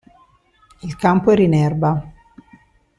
Il campo era in erba.